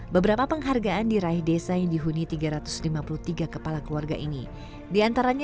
beberapa penghargaan diraih desa yang dihuni tiga ratus lima puluh tiga kepala keluarga ini diantaranya